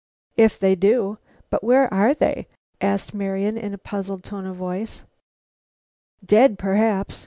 "If they do. But where are they?" asked Marian in a puzzled tone of voice. "Dead, perhaps.